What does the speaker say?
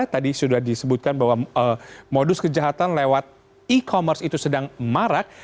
tadi sudah disebutkan bahwa modus kejahatan lewat e commerce itu sedang marak